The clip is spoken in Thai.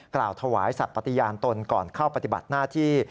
กล่าวถวายสัตว์ปฏิญาณตนก่อนเข้าปฏิบัติหน้าที่